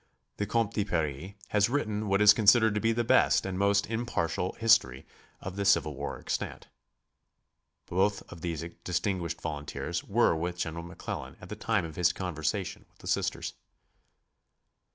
The Compte de Paris has written what is considered to be the best and most impartial history of the civil war extant. Both of these distinguished volunteers were with General McClellan at the time of his conversation with the Sisters.